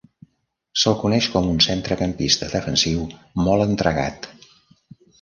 Se'l coneix com un centrecampista defensiu molt entregat.